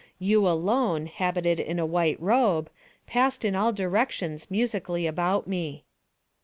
You alone, habited in a white robe, passed in all directions musically about me.